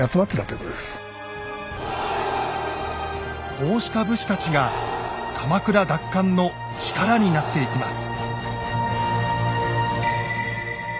こうした武士たちが鎌倉奪還の力になっていきます。